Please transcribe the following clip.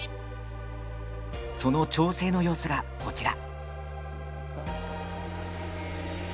その調整の様子が、こちら。